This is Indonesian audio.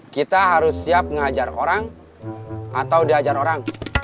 kita harus siap mengajar orang atau diajar orang